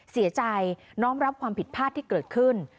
เสียใจน้อมรับความผิดพลาดที่เกิดขึ้น